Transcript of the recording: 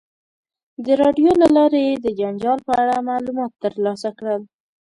د راډیو له لارې یې د جنجال په اړه معلومات ترلاسه کړل.